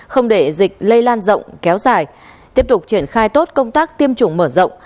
không để dịch lây lan rộng kéo dài tiếp tục triển khai tốt công tác tiêm chủng mở rộng